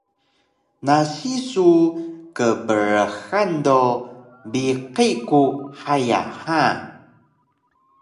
Nasi su kbrxan do biqi ku haya ha